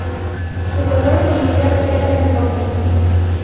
Su color oficial era el rojo.